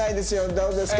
どうですか？